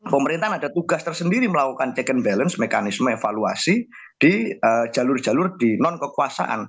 pemerintahan ada tugas tersendiri melakukan check and balance mekanisme evaluasi di jalur jalur di non kekuasaan